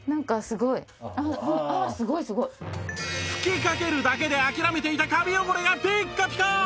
吹きかけるだけで諦めていたカビ汚れがピッカピカ